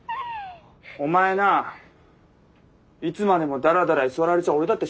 お前ないつまでもダラダラ居座られちゃ俺だって仕事できないんだよ。